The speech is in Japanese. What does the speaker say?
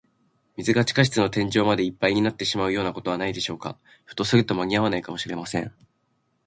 水が地下室の天井までいっぱいになってしまうようなことはないでしょうか。ひょっとすると、まにあわないかもしれません。